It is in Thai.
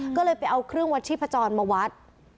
ก็เลยไปเอาเครื่องวัดชีพจรมาวัด